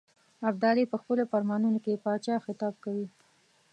ابدالي په خپلو فرمانونو کې پاچا خطاب کوي.